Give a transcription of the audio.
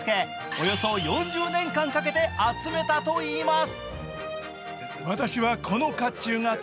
およそ４０年間かけて集めたといいます。